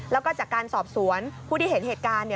แล้วก็จากการสอบสวนผู้ที่เห็นเหตุการณ์เนี่ย